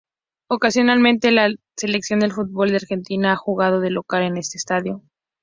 Ocasionalmente, la selección de fútbol de Argentina ha jugado de local en este estadio.